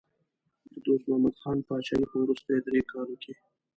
د دوست محمد خان پاچاهۍ په وروستیو دریو کالو کې.